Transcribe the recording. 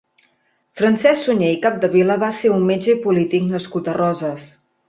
Francesc Suñer i Capdevila va ser un metge i polític nascut a Roses.